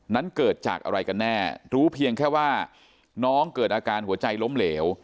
เกิดจากอะไรกันแน่รู้เพียงแค่ว่าน้องเกิดอาการหัวใจล้มเหลว